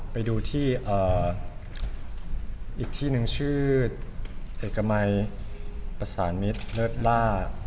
ไปดูที่อีกที่หนึ่งชื่อเอกมัยประสานมิตรเลิศล่า